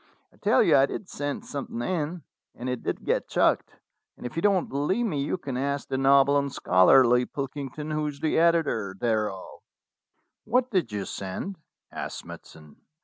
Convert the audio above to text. I tell you I did send something in, and it did get chucked; and if you don't believe me you can ask the noble and scholarly Pilkington, who is the editor thereof." "What did you send ?" asked Smithson.